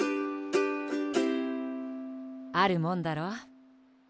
あるもんだろ。